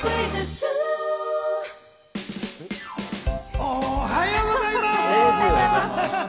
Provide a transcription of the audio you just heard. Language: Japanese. おはようございます！